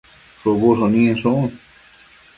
shubu shëninshun